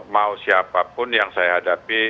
mau siapapun yang saya hadapi